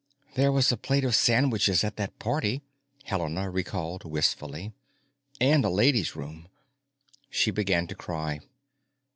"There was a plate of sandwiches at that party," Helena recalled wistfully. "And a ladies' room." She began to cry.